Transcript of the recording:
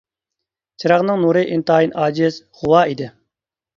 چىراغنىڭ نۇرى ئىنتايىن ئاجىز، غۇۋا ئىدى.